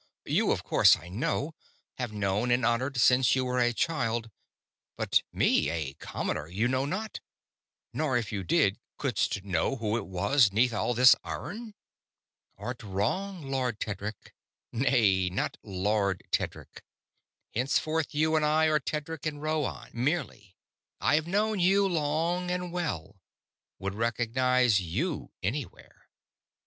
You of course I know; have known and honored since you were a child; but me, a commoner, you know not. Nor, if you did, couldst know who it was neath all this iron?" "Art wrong, Lord Tedric nay, not 'Lord' Tedric; henceforth you and I are Tedric and Rhoann merely I have known you long and well; would recognize you anywhere.